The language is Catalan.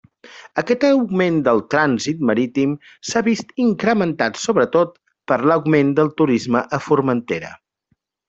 Aquest augment del trànsit marítim s'ha vist incrementat sobretot per l'augment del turisme a Formentera.